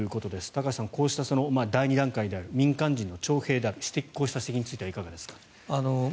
高橋さん、こうした第２段階で民間人の徴兵であるこうした指摘についてはいかがですか。